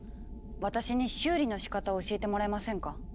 私に修理のしかたを教えてもらえませんか？